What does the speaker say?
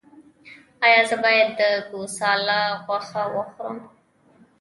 ایا زه باید د ګوساله غوښه وخورم؟